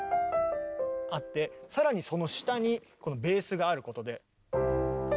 更にその下にこのベースがあることで。